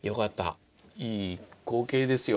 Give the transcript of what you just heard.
いい光景ですよ